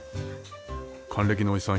還暦のおじさん